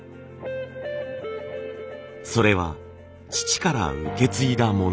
それは父から受け継いだもの。